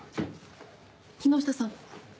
木下さん